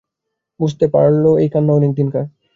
বুঝতে পারল এই কান্না অনেকদিনকার।